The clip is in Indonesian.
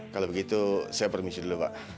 kalau begitu saya permisi dulu pak